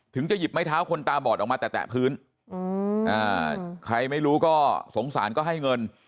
จะหยิบไม้เท้าคนตาบอดออกมาแตะพื้นใครไม่รู้ก็สงสารก็ให้เงิน